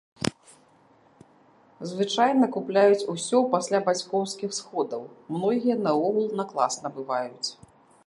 Звычайна купляюць усё пасля бацькоўскіх сходаў, многія наогул на клас набываюць.